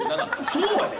そうやね